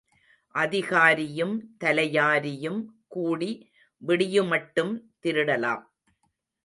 அதிகாரியும் தலையாரியும் கூடி விடியுமட்டும் திருடலாம்.